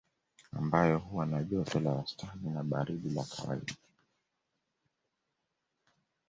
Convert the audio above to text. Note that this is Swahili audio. Ambayo huwa na joto la wastani na baridi la kawaida